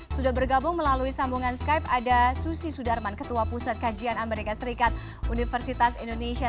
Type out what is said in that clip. sudah bergabung melalui sambungan skype ada susi sudarman ketua pusat kajian amerika serikat universitas indonesia